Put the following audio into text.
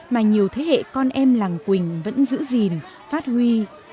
mà nhiều thế hệ con em làng quỳnh vẫn giữ gìn phát huy